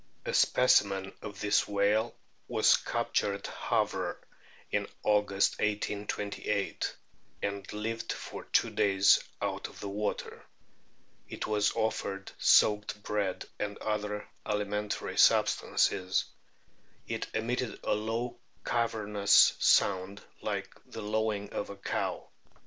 A specimen of this whale was captured at Havre in August, 1828, and lived for two days out of the water. It was offered "soaked bread and other alimentary substances"! "It emitted a low cavernous sound like the lowing of a cow."